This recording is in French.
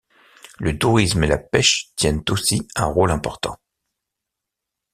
Le tourisme et la pêche tiennent aussi un rôle important.